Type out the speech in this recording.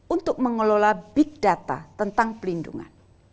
untuk mengelola big data tentang pelindungan